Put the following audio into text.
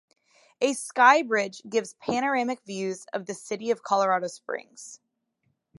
A sky bridge gives panoramic views of the city of Colorado Springs.